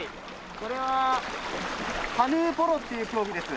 これはカヌーポロっていう競技です。